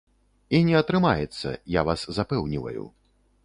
І не атрымаецца, я вас запэўніваю.